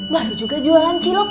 baru juga jualan cilok